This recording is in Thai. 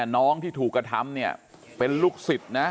น้องที่ถูกกระทำเนี่ยเป็นลูกศิษย์นะ